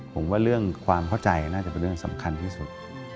ผมว่าเรื่องความเข้าใจน่าจะเป็นเรื่องสำคัญที่สุด